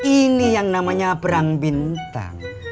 ini yang namanya perang bintang